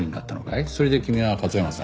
それで君は勝山さんを。